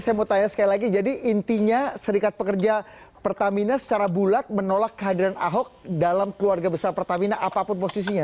saya mau tanya sekali lagi jadi intinya serikat pekerja pertamina secara bulat menolak kehadiran ahok dalam keluarga besar pertamina apapun posisinya